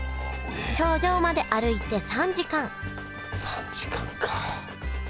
頂上まで歩いて３時間３時間か。